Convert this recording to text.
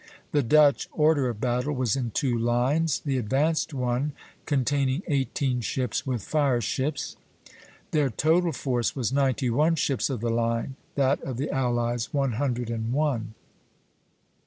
The Dutch order of battle was in two lines, the advanced one containing eighteen ships with fire ships (Plate III., A). Their total force was ninety one ships of the line; that of the allies one hundred and one.